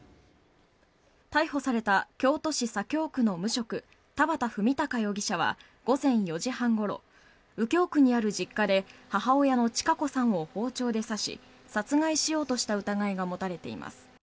逮捕された京都市左京区の無職田畑文孝容疑者は午前４時半ごろ右京区にある実家で母親の千賀子さんを包丁で刺し、殺害しようとした疑いが持たれています。